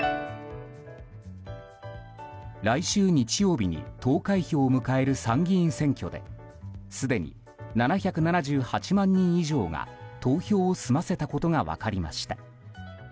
来週日曜日に投開票を迎える参議院選挙ですでに７７８万人以上が投票を済ませたことが分かりました。